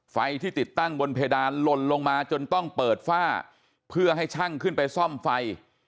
ไฟที่ติดตั้งบนเพดานลนลงมาจนต้องเปิดฝ้าเพื่อให้ช่างขึ้นไปซ่อมไฟ